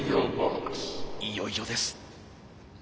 いよいよです。